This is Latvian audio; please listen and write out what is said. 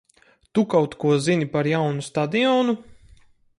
Tu kaut ko zini par jaunu stadionu?